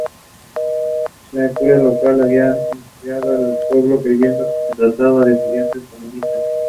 El cura local había instigado al pueblo, creyendo que se trataba de estudiantes comunistas.